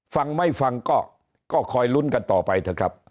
ฟังไม่ฟังก็คอยลุ้นกันต่อไปเถอะครับ